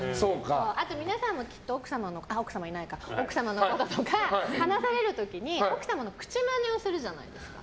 あと、皆さんもきっと奥様のこととか話される時に奥様の口マネをするじゃないですか。